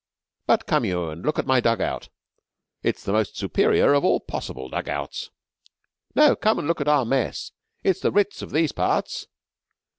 But come you and look at my dug out. It's the most superior of all possible dug outs." "No. Come and look at our mess. It's the Ritz of these parts."